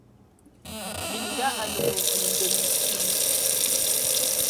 Minga anə məvul ndəm esil.